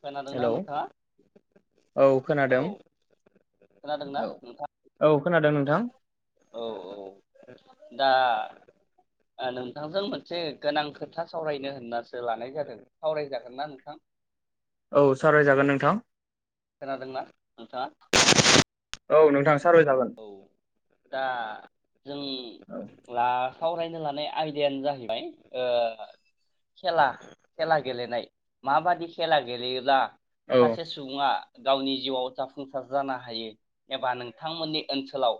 खोनादोंना हेलौ नोंथाङा औ खोनादों औ खोनादोंना औ नोंथां? औ खोनादों नोंथां। औ औ दा ओ नोंथांजों मोनसे गोनां खोथा सावरायनो होननासो लानाय जादों सावरायजागोन ना नोंथां? औ सावरायजागोन नोंथां। खोनादोंना नोंथाङा? औ नोंथां सावरायजागोन औ दा जों औ ला सावरायनो लानाय आयदायानो जाहैबाय ओ खेला खेला गेलेनाय माबादि खेला गेलेयोब्ला औ सासे सुबुङा गावनि जिउआव जाफुंसार जानो हायो एबा नोंथांमोननि ओनसोलाव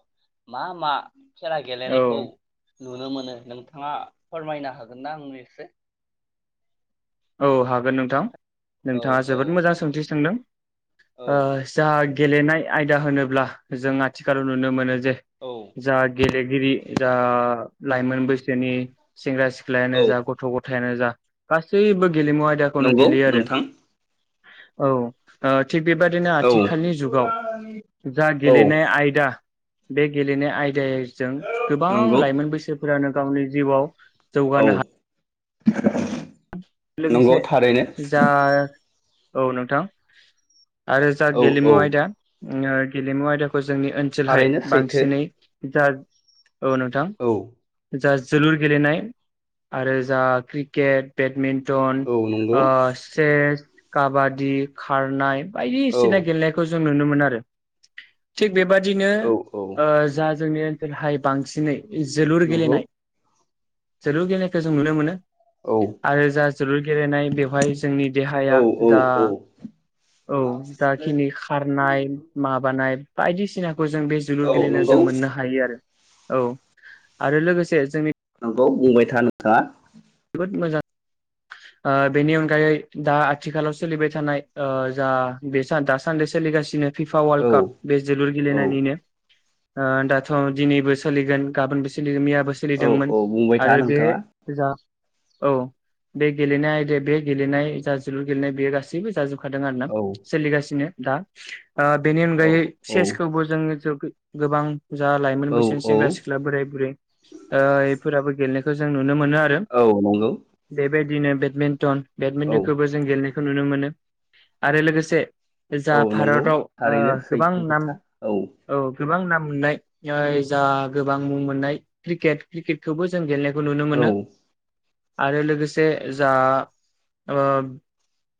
मा मा खेला औ गेलेनायखौ नुनो मोनो नोंथाङा फोरमायनो हागोन ना आंनो एसे? औ हागोन नोंथां। औ नोंथाङा औ जोबोद मोजां सोंथि सोंदों औ ओ [unintelligible] गेलेनाय आयदा होनोब्ला जों आथिखालाव नुनो मोनो औ [unintelligible] जा गेले गिरि जा लाइमोन बैसोनि सेंग्रा सि ख्लायानो औ जा गथ' गथायानो जा गास सैबो गेलेमु आयदाखौनो नंगौ गेलेयो आरो। नोंथां औ। ओ थिग बेबायदिनो औ आथिखालनि जुगाव जा औ गेलेनाय आयदा बे गेलेनाय आयदा जों गोबां नंगौ लाइमोन बैसोफोरानो गावनि जिउआव औ जौगानो हा नंगौ लोगोसे थारैनो जा औ नोंथां। आरो जा औ औ गेलेमु आयदा ओ गेलेमु आइदा खौ जोंनि ओनसोलहाय थारैनो सैथो बांसिनै जा औ नोंथां औ जा जोलुर गेलेनाय आरो जा क्रिकेट बेडमिन्ट थन औ नंगौ ओ सेस काबादि खारनाय औ बायनिसिना गेलेनायखौ जों नुनो मोन आरो थिग बेबादिनो औ औ ओ जा जोंनि ओन हाय बांसिनै जोलुर नंगौ गेलेनाय जोलुर गेलेनायखो जों नुनो मोनो। औ आरो जा जोलुर गेलेनाय बेवहाय जोंनि औ देहाया जा औ औ जाखिनि खारनाय माबा नाय बायदिसिना खौ जों बे औ जोलुर गेलेनायाव नंगौ जों मोननो हायो आरो। औ आरो लोगोसे जोंनि नगौ बुंबाय था नोंथाङा। जोबोद मोजां आ बेनि अनगायै दा आथिखालाव सोलिबाय थानाय ओ जा बे दासान्दि सोलिगासिनो फिफा औ वल्ड काप बे जोलुर औ गेलेनायनिनो ओ दाथ' दिनैबो सोलिगोन गाबोनबो सोलिगोन मिया बो औ औ सोलिदोंमोन बुंबाय था आरो बे नोंथाङा जा औ बे गेलेनाय आयदा बे गेलेनाय जा जोलुर गेलेनाय बेयो गासैबो जाजोब खादों आरो ना औ सोलिगासिनो। दा आ बेनि औ अनगायै चेसखौबो जोङो ज गोबां जा औ लाइमोन बैसो औ सेंग्रा सिख्ला बोराय बुरै ओ इफोराबो गेलेनायखो जों नुनो मोनो आ औ नंगौ। बेबायदिनो बेडमिन्टन औ बेडमिन्टनखौबो जों गेले खौ नुनो मोनो आरो लोगोसे जा औ नंगौ भारताव ओ थारैनो गोबां सैथो नाम खोथा औ औ गोबां नाम मोननाय जा गोबां मुं मोननाय क्रिकेट क्रिकेटखौबो जों गेलेना यखौ नुनो औ मोनो। आरो लोगोसे जा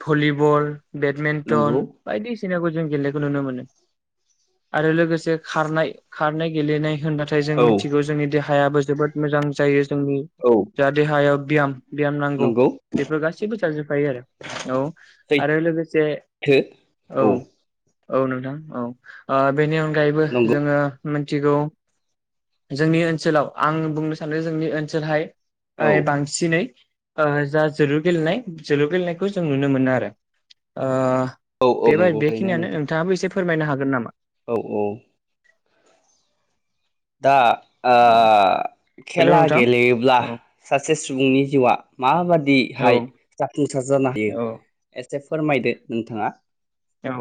भलिबल नंगौ बेडमिन्टन बायदि सिनाखौ जों गेलेनायखौ नुनो मोनो आरो लोगोसे खारनाय खारनाय गेलेनाय होनबाथाय जों औ मिथिगौ जोंनि देहा हायाबो जोबोद मोजां जायो। जोंनि औ जा देहायाव ब्याम ब्याम नांगौ नंगौ बेफोर गासैबो थाजोबफायो आरो औ। सैथो आरो लोगो गोसे औ औ नोंथां औ बेनि अ गायैबो नंगौ जोङो मो थिगौ जोंनि ओनसोलाव आं बुंनो सानदों जोंनि ओनसोलहाय औ हाइ बांसिनै आ जा जोलुर गेलेनाय जोलुर गेलेनायखौ जों नुनो मोनो आरो। आ औ औ बेबाय नंगौ थारैनो बेखिनियानो नोंथां नोंथाङाबो एसे खो फोरमायनो हागोन नामा? औ औ दा ओ औ हेलौ खेला नोंथां गेलेयोब्ला औ सासे सुबुंनि जिउआ औ माबादिहाय जाफुं सार जानो हायो औ एसे फोरमायदो नोंथाङा औ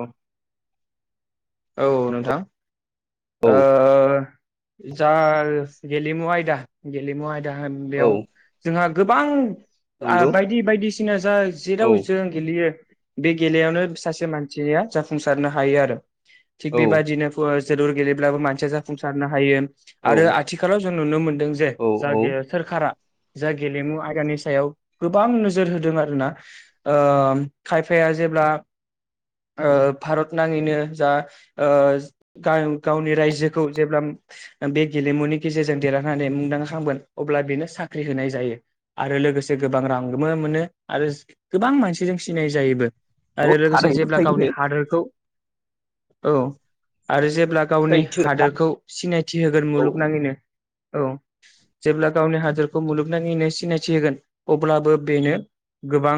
औ नोंथां औ जा गेलेमु आयदा गेलेमु आयदा दाहोन औ बेयाव जोंहा गोबां नंगौ बायदि बायदिसिना जा औ जेराव जों गेलेयो। बे गेलायावनो सासे मानसिया जाफुंसारनो हायो आरो। थिग औ बेबादिनो जोलुर गेलेब्लाबो मानसिया जाफुंसारनो हायो। औ आरो आथिखालाव जों नुनो मोनदों जे औ जागे सोरखारा जा गेलेमु आयदानि सायाव गोबां नोजोर होदों आरोना ओम खायफाया जेब्ला ओ भारत नाङैनो जा ओ [unintelligible] गावनि रायजोखौ जेब्ला बे गेलेमुनि गेजेरजों देरहानानै मुंदांखा मोन अब्ला बेनो साख्रि होनाय जायो आरो लोगोसे गोबां रांबो मोनो आरो गोबां मानसिजों सिनाय जायोबो। औ आरो लोगोसे थारैनो जेब्ला गावनि सैथो हादोरखौ औ आरो जे ब्ला गावनि सैथो खोथा हादोरखौ सिनायथि होगोन औ मुलुगनाङैनो औ जेब्ला गावनि हादोरखौ मुलुगनाङैनो सिनायथि होगोन अब्लाबो बेनो गोबां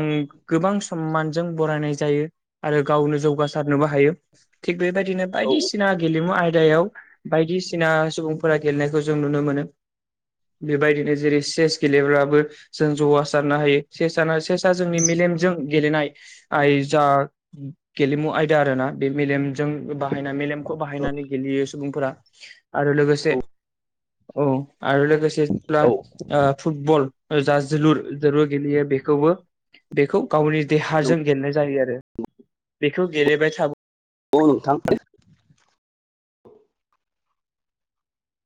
गोबां सममानजों बरायनाय जायो आरो गावनो जौगासारनोबो हायो। थिग बेबायदिनो औ बायदिसिना गेलेमु आय दायाव बायदिसिना सुबुंफोरा गेलेनायखौ जों नुनो मोनो। बेबायदिनो जेरै चेस गेलेब्लाबो जों जौगासारनो हायो चेसानो चेसआ जोंनि मेलेमजों गेलेनाय आइ जा गेलेमु आयदा आरोना बे मेलेम जों बाहायना मेलेमखौ बाहायनानै गेलेयो सुबुंफोरा आरो लोगोसे औ। आरो लोगोसे जेब्ला औ औ ओ फुटबल ओ जा जोलुर जोलुर गेलेयो बेखौबो बेखौ गावनि देहाजों गेलेनाय जायो आरो। बेखौ गेेलेबायथा अ नोंथां।